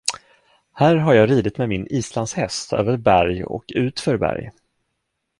Här har jag ridit med min Islandshäst över berg och utför berg.